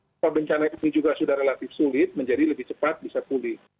kalau bencana ini juga sudah relatif sulit menjadi lebih cepat bisa pulih